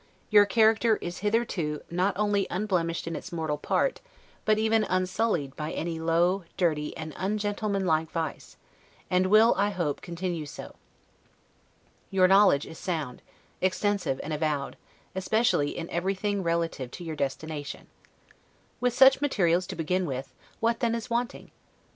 Your character is hitherto not only unblemished in its mortal part, but even unsullied by any low, dirty, and ungentleman like vice; and will, I hope, continue so. Your knowledge is sound, extensive and avowed, especially in everything relative to your destination. With such materials to begin with, what then is wanting!